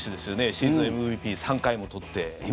シーズンＭＶＰ、３回も取って。